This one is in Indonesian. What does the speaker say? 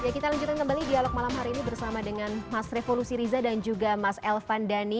kita lanjutkan kembali dialog malam hari ini bersama dengan mas revo lusiriza dan juga mas elvan dhani